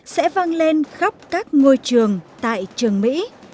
sẽ văng lên khắp các ngôi trường tại trường mỹ